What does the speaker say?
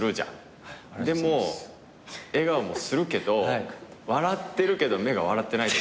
でも笑顔もするけど笑ってるけど目が笑ってない。